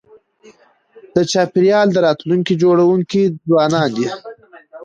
د چاپېریال د راتلونکي جوړونکي ځوانان دي.